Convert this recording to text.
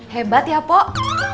hebat ya pok